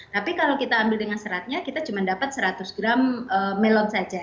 tapi kalau kita ambil dengan seratnya kita cuma dapat seratus gram melon saja